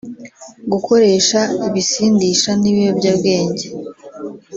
gukoresha ibisindisha n’ibiyobyabwenge